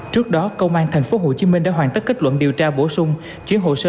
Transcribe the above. trước đó công an tp hcm đã hoàn tất kết luận điều tra bổ sung chuyển hồ sơ